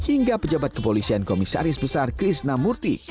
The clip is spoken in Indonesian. hingga pejabat kepolisian komisaris besar krisna murthy